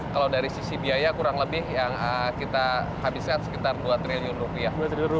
kalau dari sisi biaya kurang lebih yang kita habiskan sekitar dua triliun rupiah